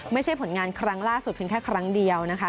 ไม่ใช่ผลงานครั้งล่าสุดเพียงแค่ครั้งเดียวนะคะ